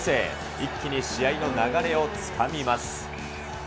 一気に試合の流れをつかみます。